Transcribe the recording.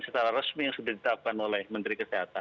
secara resmi yang sudah ditetapkan oleh menteri kesehatan